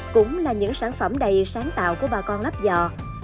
cũng là những sản phẩm đầy sáng tạo của bà con lắp giò